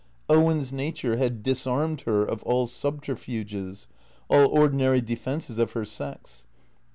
Owen's nature had disarmed her of all subterfuges, all ordinary defences of her sex.